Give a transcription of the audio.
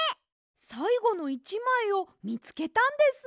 さいごの１まいをみつけたんですね！